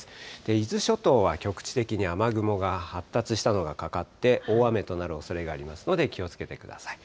伊豆諸島は局地的に雨雲が発達したのがかかって、大雨となるおそれがありますので、気をつけてください。